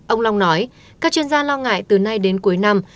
ông long nói các chuyên gia lo ngại từ nay đến cuối năm